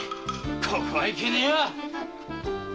ここはいけねえよ